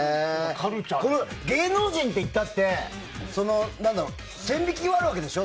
芸能人っていったって線引きはあるわけでしょ。